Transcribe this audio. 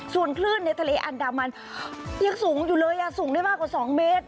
ส่วนคลื่นในทะเลอันดามันยังสูงอยู่เลยสูงได้มากกว่า๒เมตร